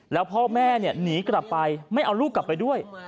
แล้วพ่อแม่หนีกลับไปไม่เอาลูกกลับไปด้วย